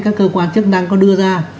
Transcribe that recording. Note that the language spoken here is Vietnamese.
các cơ quan chức năng có đưa ra